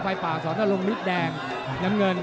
ไฟปลาเสริมต้นลงมิตรแดงน้ำเงิน